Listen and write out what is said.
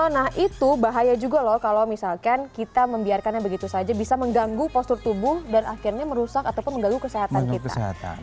nah itu bahaya juga loh kalau misalkan kita membiarkannya begitu saja bisa mengganggu postur tubuh dan akhirnya merusak ataupun mengganggu kesehatan kita